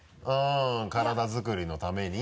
体作りのために。